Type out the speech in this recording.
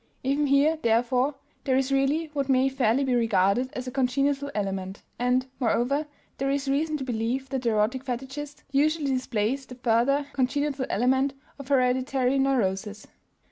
Even here, therefore, there is really what may fairly be regarded as a congenital element; and, moreover, there is reason to believe that the erotic fetichist usually displays the further congenital element of hereditary neurosis.